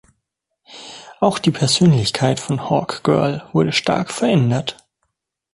Auch die Persönlichkeit von Hawkgirl wurde stark verändert.